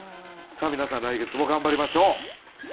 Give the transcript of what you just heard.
皆さん来月も頑張りましょう。